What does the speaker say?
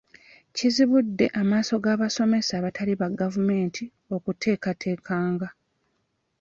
Kizibudde amaaso g'abasomesa abatali ba gavumenti okutekatekanga.